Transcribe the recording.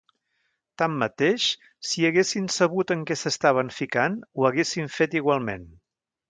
Tanmateix, si haguessin sabut en què s'estaven ficat, ho haguessin fet igualment.